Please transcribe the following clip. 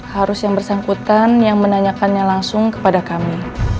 harus yang bersangkutan yang menanyakannya langsung kepada kami